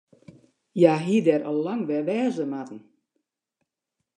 Hja hie der al lang wer wêze moatten.